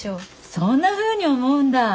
そんなふうに思うんだ！